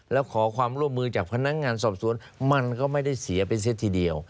แล้วขอความร่วมมือจากพนักงานสอบสวนมันก็ไม่ได้เสียไปเสียทีเดียว